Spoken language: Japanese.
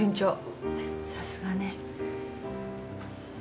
さすがね。